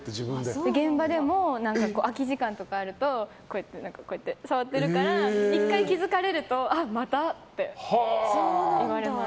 現場でも空き時間とかあるとこうやって触ってるから１回気づかれるとあ、またって言われます。